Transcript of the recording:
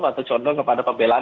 atau condong kepada pembelaan